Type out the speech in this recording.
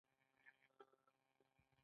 ټولنه په بادارانو او مرئیانو وویشل شوه.